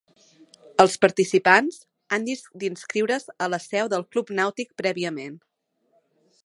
Els participants han d'inscriure's a la seu del Club Nàutic prèviament.